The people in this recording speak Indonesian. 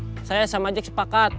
tidak saya sama jack sepakat